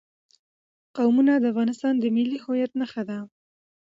قومونه د افغانستان د ملي هویت نښه ده.